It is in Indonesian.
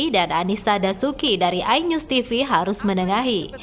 dan anissa dasuki dari inews tv harus menengahi